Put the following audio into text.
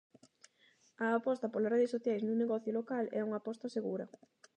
A aposta polas redes sociais nun negocio local é unha aposta segura.